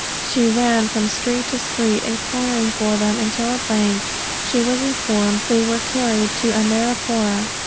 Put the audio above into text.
She ran from street to street inquiring for them, until at length she was informed they were carried to Amarapoora.